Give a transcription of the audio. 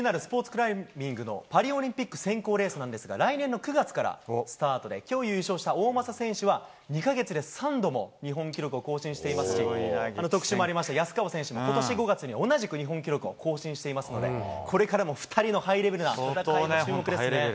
クライミングのパリオリンピック選考レースなんですが、来年の９月からスタートで、きょう優勝した大政選手は、２か月で３度も日本記録を更新していますし、特集もありました、安川選手もことし５月に同じく日本記録を更新していますので、これからも２人のハイレベルな戦いに注目ですね。